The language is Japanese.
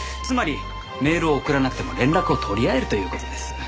つまりメールを送らなくても連絡を取り合えるという事です。